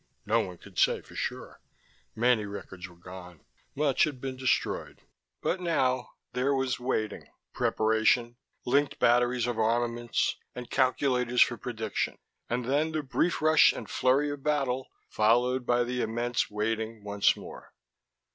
No one could say for sure: many records were gone, much had been destroyed. But now there was waiting, preparation, linked batteries of armaments and calculators for prediction and then the brief rush and flurry of battle, followed by the immense waiting once more.